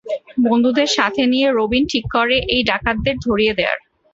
বন্ধুদের সাথে নিয়ে রবিন ঠিক করে এই ডাকাতদের ধরিয়ে দেয়ার।